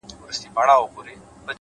علم د ژوند لوری بدلوي’